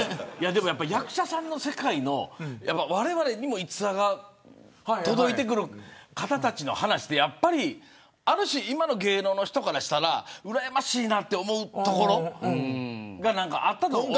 役者さんの世界われわれにも逸話が届いてくる方たちの話ってやっぱりある種、今の芸能の人からしたらうらやましいと思うところがあったと思う。